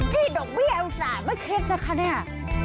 ที่โดดเบี้ยวแสบไม่เคล็ดนะคะเนี่ย